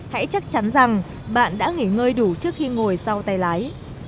hãy chắc chắn rằng bạn đã nghỉ ngơi đủ trước khi ngồi sau tay lái